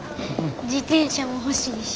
自転車も欲しいし。